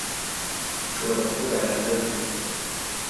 Nshobora kuvugana na David